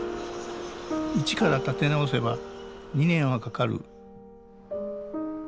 一から建て直せば２年はかかる。